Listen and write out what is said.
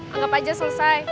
anggap aja selesai